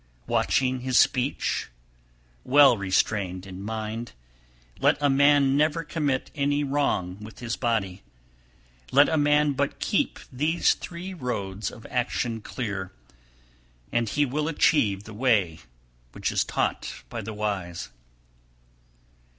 281. Watching his speech, well restrained in mind, let a man never commit any wrong with his body! Let a man but keep these three roads of action clear, and he will achieve the way which is taught by the wise.